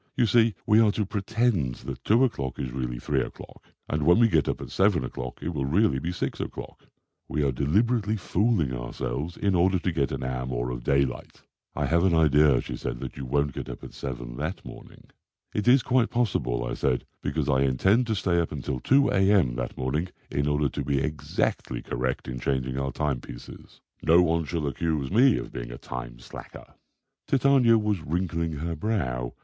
You see, we are to pretend that 2 o'clock is really 3 o'clock, and when we get up at 7 o'clock it will really be 6 o'clock. We are deliberately fooling ourselves in order to get an hour more of daylight." "I have an idea," she said, "that you won't get up at 7 that morning." "It is quite possible," I said, "because I intend to stay up until 2 a.m. that morning in order to be exactly correct in changing our timepieces. No one shall accuse me of being a time slacker." Titania was wrinkling her brow.